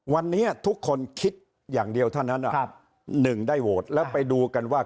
วันนี้ทุกคนคิดอย่างเดียวเท่านั้นหนึ่งได้โหวตแล้วไปดูกันว่า